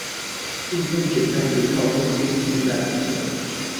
運用簡單的套件進行現代運算